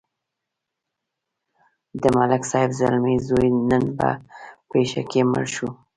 د ملک صاحب زلمی زوی نن په پېښه کې مړ شو.